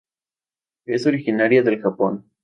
Es originaria del Japón.